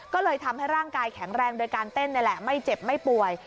ก็เลยทำให้ร่างกายแข็งแรงโดยการเต้นนี่แหละไม่เจ็บไม่ป่วย